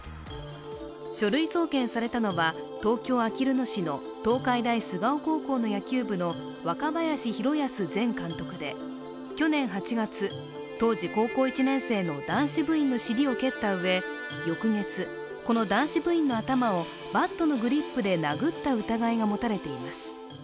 書類送検されたのは、東京・あきる野市の東海大菅生高校の野球部の若林弘泰前監督で去年８月、当時高校１年生の男子部員の尻を蹴ったうえ、翌月、この男子部員の頭をバットのグリップで殴った疑いが持たれています。